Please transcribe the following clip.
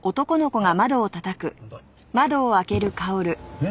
えっ？